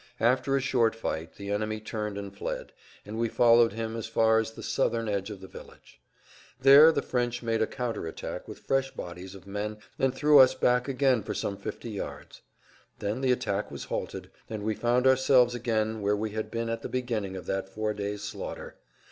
After a short fight the enemy turned and fled, and we followed him as far as the southern edge of the village. There the French made a counterattack with fresh bodies of men and threw us back again for some 50 yards. Then the attack was halted, and we found ourselves again where we had been at the beginning of that four days' slaughter.